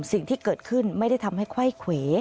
สิ่งที่เกิดขึ้นไม่ได้ทำให้ไขว้เขว